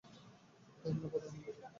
ধন্যবাদ, আনন্দ কর।